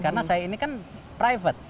karena saya ini kan private